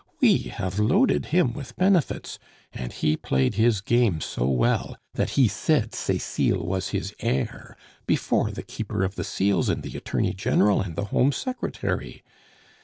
We have loaded him with benefits, and he played his game so well, that he said Cecile was his heir before the Keeper of the Seals and the Attorney General and the Home Secretary!...